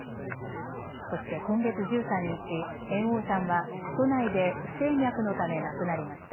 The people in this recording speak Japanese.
そして今月１３日、猿翁さんは都内で不整脈のため亡くなりました。